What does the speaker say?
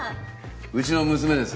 うちの娘です。